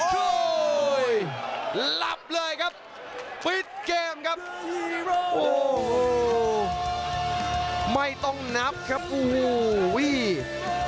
โอ้โหหลับเลยครับปิดเกมครับโอ้โหไม่ต้องนับครับโอ้โห